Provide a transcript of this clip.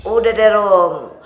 udah deh rom